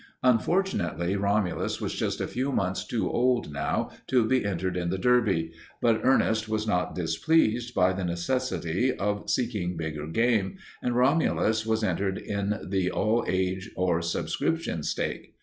Unfortunately, Romulus was just a few months too old now to be entered in the Derby, but Ernest was not displeased by the necessity of seeking bigger game, and Romulus was entered in the All Age or Subscription stake.